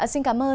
xin cảm ơn